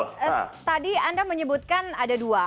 bang timbul tadi anda menyebutkan ada dua